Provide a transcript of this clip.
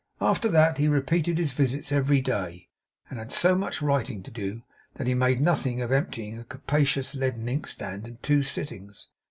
After that, he repeated his visits every day, and had so much writing to do, that he made nothing of emptying a capacious leaden inkstand in two sittings.